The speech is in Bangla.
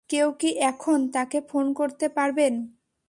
কেউ কি এখন তাকে ফোন করতে পারবেন?